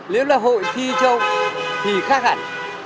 nếu là hội thi châu thì khác hẳn